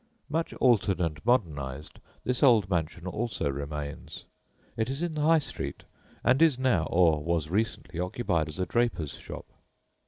Much altered and modernised, this old mansion also remains. It is in the High Street, and is now, or was recently, occupied as a draper's shop.